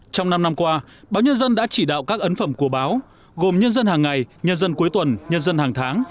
trong năm năm qua báo nhân dân đã chỉ đạo các ấn phẩm của báo gồm nhân dân hàng ngày nhân dân cuối tuần nhân dân hàng tháng